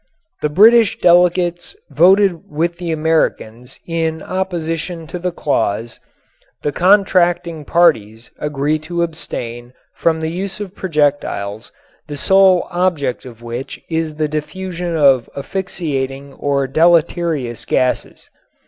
The British delegates voted with the Americans in opposition to the clause "the contracting parties agree to abstain from the use of projectiles the sole object of which is the diffusion of asphyxiating or deleterious gases."